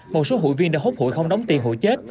một số hụi viên đã hốt hụi không đóng tiền hụi chết